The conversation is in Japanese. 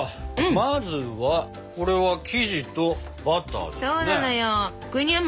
まずはこれは生地とバターですね。